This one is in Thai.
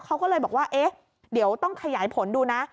เขาก็เลยบอกว่าเอ๊ะเดี๋ยวต้องขยายผลดูนะ